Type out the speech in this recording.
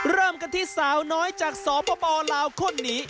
เริ่มกันที่สาวน้อยจากสปลาวคนนี้